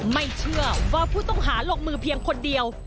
ไม่เชื่อว่าผู้ต้องหาลงมือเพียงคนเดียว